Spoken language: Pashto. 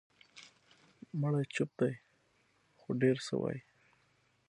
مړی چوپ دی، خو ډېر څه وایي.